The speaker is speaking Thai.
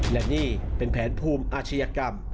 และนี่เป็นแผนภูมิอาชญากรรม